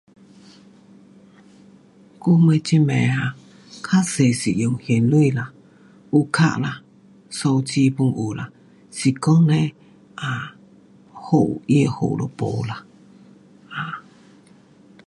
我们这边啊较多是用现钱啦。有卡啦，手机 pun 有啦。是讲嘞，啊，货，他的货就没啦。